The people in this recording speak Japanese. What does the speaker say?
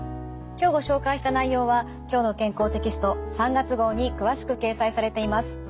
今日ご紹介した内容は「きょうの健康」テキスト３月号に詳しく掲載されています。